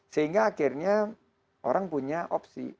sehingga akhirnya orang punya opsi